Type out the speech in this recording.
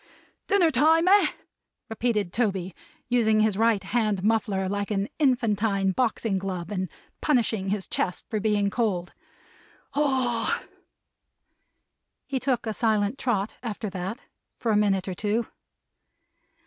"Dinner time, eh!" repeated Toby, using his right hand muffler like an infantine boxing glove, and punishing his chest for being cold. "Ah h h h!" He took a silent trot, after that, for a minute or two.